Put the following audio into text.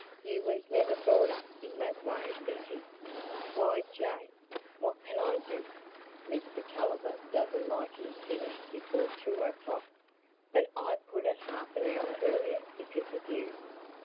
You was never brought up in that way, Bessy." "Why, Jane, what can I do? Mr Tulliver doesn't like his dinner before two o'clock, but I put it half an hour earlier because o' you."